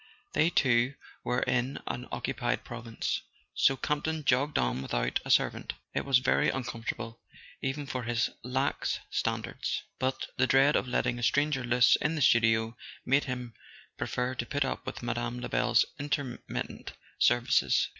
They too were in an occupied province. So Campton jogged on without a servant. It was very uncomfortable, even for his lax standards; but the dread of letting a stranger loose in the studio made him prefer to put up with Mme. LebeFs intermittent services.